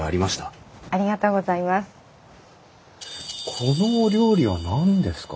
このお料理は何ですか？